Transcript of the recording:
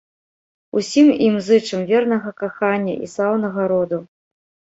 Усім ім зычым вернага кахання і слаўнага роду.